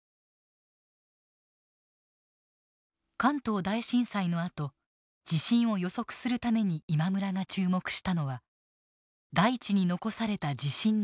関東大震災のあと地震を予測するために今村が注目したのは大地に残された地震の痕跡です。